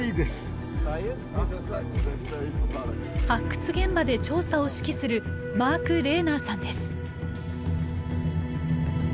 発掘現場で調査を指揮するマーク・レーナーさんです。